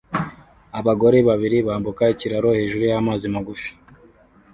Abagore babiri bambuka ikiraro hejuru y'amazi magufi